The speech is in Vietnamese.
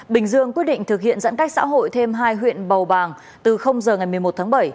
bình dương quyết định thực hiện giãn cách xã hội thêm hai huyện bầu bàng từ giờ ngày một mươi một tháng bảy